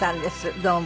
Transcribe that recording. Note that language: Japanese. どうも。